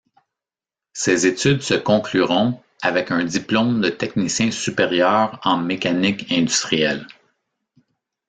Ses études se concluront avec un diplôme de technicien supérieur en mécanique industrielle.